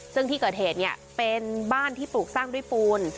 ซึ่งที่เกิดเหตุเป็นบ้านที่ปลูกสร้างด้วยปูน